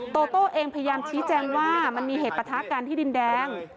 โตโต้เองพยายามชี้แจงว่ามันมีเหตุประทะกันที่ดินแดง